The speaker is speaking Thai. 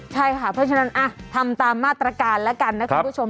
ใช่ค่ะเพราะฉะนั้นทำตามมาตรการแล้วกันนะคุณผู้ชม